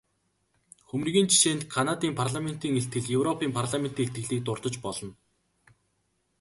Хөмрөгийн жишээнд Канадын парламентын илтгэл, европын парламентын илтгэлийг дурдаж болно.